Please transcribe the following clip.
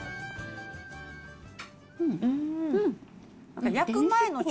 うん。